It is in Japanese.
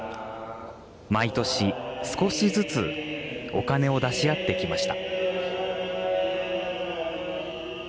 毎年、少しずつお金を出し合ってきました。